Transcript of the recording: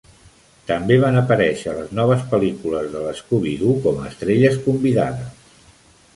També van aparèixer a Les noves pel·lícules de l'Scooby-Doo com a estrelles convidades.